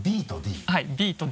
「Ｂ」と「Ｄ」？